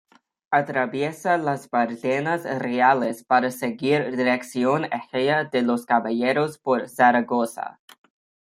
Atraviesa las Bardenas Reales para seguir dirección Ejea de los Caballeros por Zaragoza.